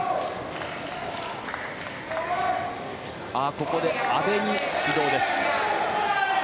ここで、阿部に指導です。